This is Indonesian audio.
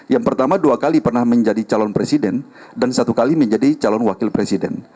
yang pertama dua kali pernah menjadi calon presiden dan satu kali menjadi calon wakil presiden